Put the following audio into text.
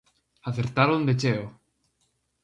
Acertaron de cheo.